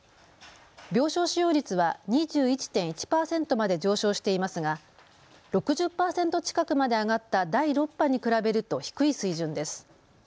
病床使用率は２１．１％まで上昇していますが６０％近くまで上がった第６波に比べると低い水準です。